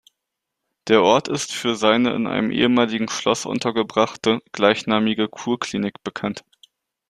Der Ort ist für seine in einem ehemaligen Schloss untergebrachte gleichnamige Kurklinik bekannt.